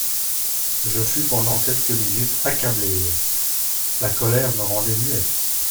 Je fus pendant quelques minutes accablée ; la colère me rendait muette.